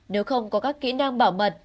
nếu không có các kỹ năng bảo mật